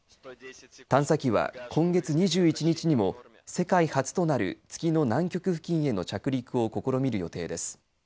探査機は、今月２１日にも世界初となる月の南極付近への着陸を試みる予定です。